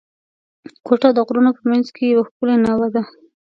کوټه د غرونو په منځ کښي یوه ښکلې ناوه ده.